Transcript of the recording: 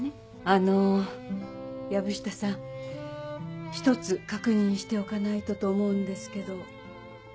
あの藪下さん１つ確認しておかないとと思うんですけど。